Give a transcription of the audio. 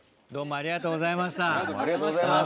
ありがとうございます。